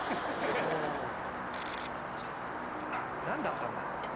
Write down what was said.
何だったんだよ？